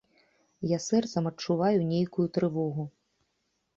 Я сэрцам адчуваю нейкую трывогу.